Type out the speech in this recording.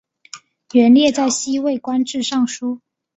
元烈在西魏官至尚书。